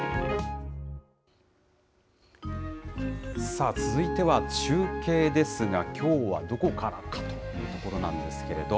さあ、続いては中継ですが、きょうはどこからかというところなんですけれど。